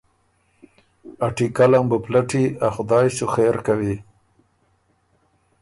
ا ټیکله م بُو پلټي ا خدای سُو خېر کوی